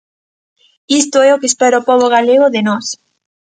Isto é o que espera o pobo galego de nós.